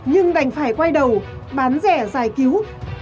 nhưng đành phải quay đầu bán rẻ giải cứu